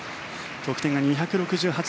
得点が２６８．９８。